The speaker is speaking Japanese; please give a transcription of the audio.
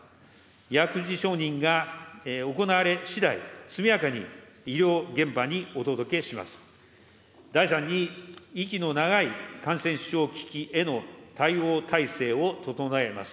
薬事承認が行われしだい、速やかに医療現場にお届けします。